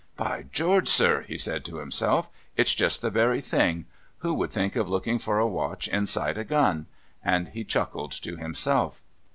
"By George, sir!" he said to himself, "it's just the very thing. Who would think of looking for a watch inside a gun?" and he chuckled to himself.